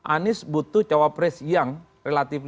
anies butuh cowok pres yang relatif